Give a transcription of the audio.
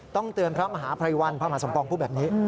เตือนพระมหาภัยวันพระมหาสมปองพูดแบบนี้